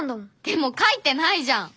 でも書いてないじゃん！